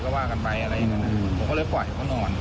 ก็ว่ากันไปอะไรอย่างนั้นผมก็เลยปล่อยเขานอน